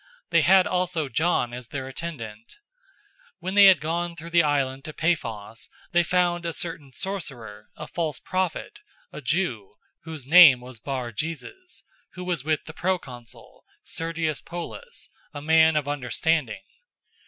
They had also John as their attendant. 013:006 When they had gone through the island to Paphos, they found a certain sorcerer, a false prophet, a Jew, whose name was Bar Jesus, 013:007 who was with the proconsul, Sergius Paulus, a man of understanding.